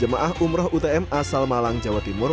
jemaah umroh utm asal malang jawa timur